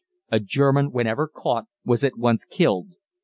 A German whenever caught was at once killed.